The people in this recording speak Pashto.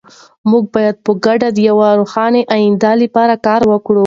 موږ به په ګډه د یوې روښانه ایندې لپاره کار وکړو.